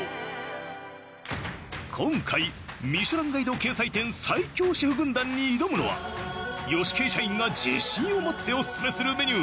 今回『ミシュランガイド』掲載店最強シェフ軍団に挑むのはヨシケイ社員が自信を持ってオススメするメニュー